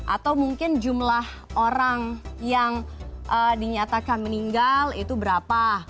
atau mungkin jumlah orang yang dinyatakan meninggal itu berapa